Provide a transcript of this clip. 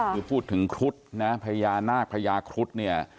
คือพูดถึงครุฑนะพญานาคพญาครุฑเนี่ย